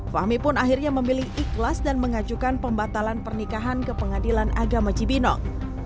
fahmi pun akhirnya memilih ikhlas dan mengajukan pembatalan pernikahan ke pengadilan agama cibinong